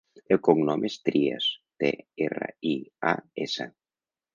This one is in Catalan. El cognom és Trias: te, erra, i, a, essa.